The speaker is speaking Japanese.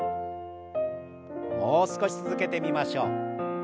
もう少し続けてみましょう。